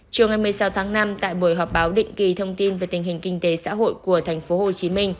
chiều ngày một mươi sáu tháng năm tại buổi họp báo định kỳ thông tin về tình hình kinh tế xã hội của tp hcm